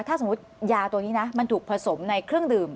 ถ้าสมมุติยาตัวนี้นะมันถูกผสมในเครื่องดื่ม